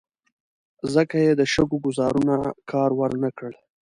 ځکه یې د شګو ګوزارونو کار ور نه کړ.